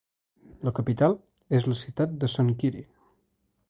La capital és la ciutat de Çankırı.